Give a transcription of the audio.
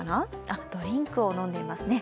あっ、ドリンクを飲んでいますね。